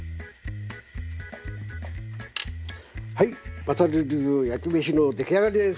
はいまさる流焼き飯の出来上がりです！